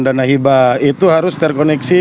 dana hiba itu harus terkoneksi